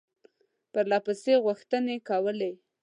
پرله پسې غوښتني کولې.